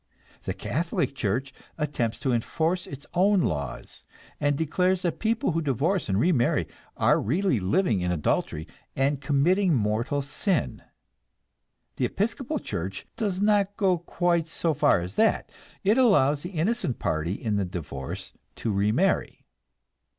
The Catholic Church attempts to enforce its own laws, and declares that people who divorce and remarry are really living in adultery and committing mortal sin. The Episcopal Church does not go quite so far as that; it allows the innocent party in the divorce to remarry.